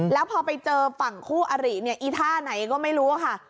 แล้วพอไปเจอฝั่งคู่อริเนี่ยอีท่าไหนก็ไม่รู้ค่ะ